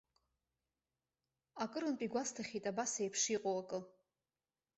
Акырынтә игәасҭахьеит абасеиԥш иҟоу акы.